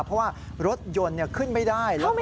เพราะว่ารถยนต์ขึ้นไม่ได้เข้าไม่ได้